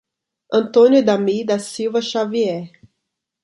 Antônio Idamir da Silva Xavier